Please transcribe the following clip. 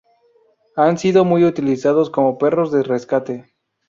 Han sido muy utilizados como perros de rescate.